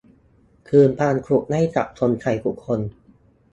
คืนความสุขให้กับคนไทยทุกคน